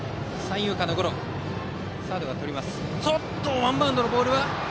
ワンバウンドのボール